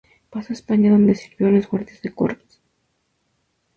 Pasó a España, donde sirvió en los Guardias de Corps.